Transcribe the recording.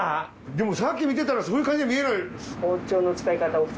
でもさっき見てたらそういう感じには見えない。